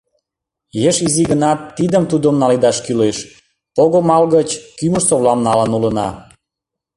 Еш изи гынат, тидым-тудым наледаш кӱлеш: пого-мал гыч кӱмыж-совлам налын улына.